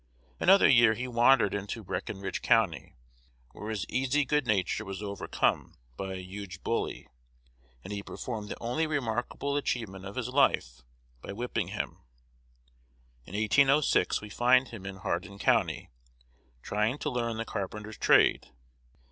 Another year he wandered into Breckinridge County, where his easy good nature was overcome by a huge bully, and he performed the only remarkable achievement of his life, by whipping him. In 1806, we find him in Hardin County, trying to learn the carpenter's trade.